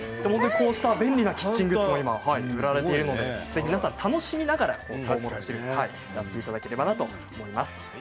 便利なキッチングッズも売られているので、ぜひ楽しみながらやっていただければなと思います。